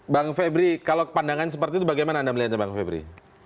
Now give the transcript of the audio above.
bang febri kalau pandangan seperti itu bagaimana anda melihatnya bang febri